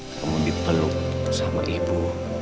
kamu dipeluk sama ibu